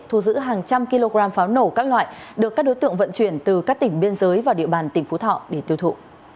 thu giữ hàng trăm kg pháo nổ các loại được các đối tượng vận chuyển từ các tỉnh biên giới vào địa bàn tỉnh phú thọ để tiêu thụ